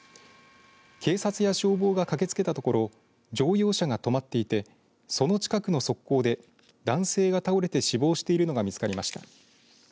警察や消防が駆けつけたところ乗用車が止まっていてその近くの側溝で男性が倒れて死亡しているのが見つかりました。